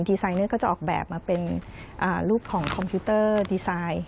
ดีไซนเนอร์ก็จะออกแบบมาเป็นลูกของคอมพิวเตอร์ดีไซน์